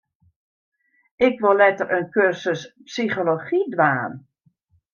Ik wol letter in kursus psychology dwaan.